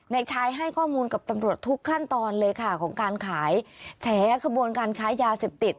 นายชายให้ข้อมูลกับตำรวจทุกขั้นตอนเลยค่ะของการขายแฉขบวนการค้ายาเสพติด